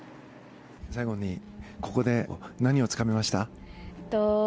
最後にここで何をつかみました？